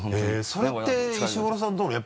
それって石黒さんどうなの？